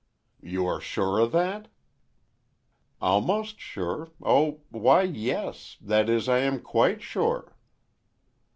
"You are sure of that?" "Almost sure—oh, why, yes—that is, I am quite sure."